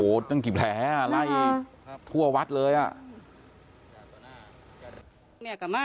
โอ้โฮต้องกิบแหล่ไล่ทั่ววัดเลย